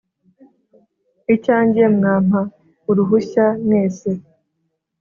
Icyanjye mwampa uruhushya mwese,